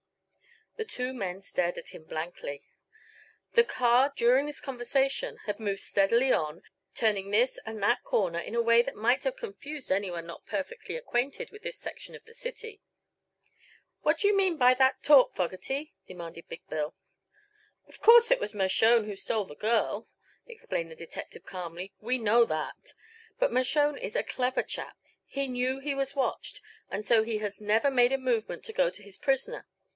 The two men stared at him blankly. The car, during this conversation, had moved steadily on, turning this and that corner in a way that might have confused anyone not perfectly acquainted with this section of the city. "What d'ye mean by that talk, Fogerty?" demanded Big Bill. "Of course it was Mershone who stole the girl," explained the detective, calmly; "we know that. But Mershone is a clever chap. He knew he was watched, and so he has never made a movement to go to his prisoner.